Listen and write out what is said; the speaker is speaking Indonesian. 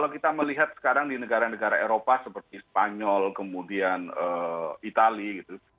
kalau kita melihat sekarang di negara negara eropa seperti spanyol kemudian itali gitu